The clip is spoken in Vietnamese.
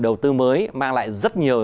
đầu tư mới mang lại rất nhiều